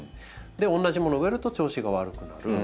で同じものを植えると調子が悪くなる。